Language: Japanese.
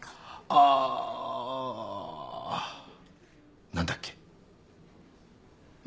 あー何だっけ？